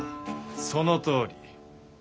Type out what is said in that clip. そのとおり。